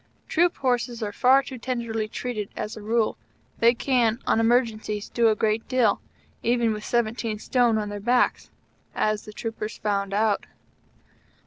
Troop Horses are far too tenderly treated as a rule. They can, on emergencies, do a great deal, even with seventeen stone on their backs. As the troopers found out.